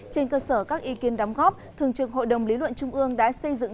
trên cơ sở các ý kiến đóng góp thường trực hội đồng lý luận trung ương đã xây dựng